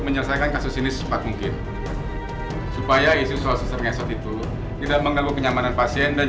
menyelesaikan kasus ini secepat mungkin supaya isu soal sesuatu tidak mengganggu kenyamanan pasien dan